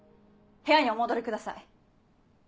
部屋にお戻りください。